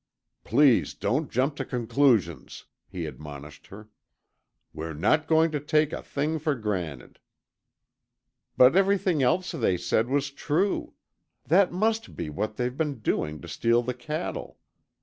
"Please don't jump to conclusions," he admonished her. "We're not going to take a thing for granted." "But everything else they said was true. That must be what they've been doing to steal the cattle.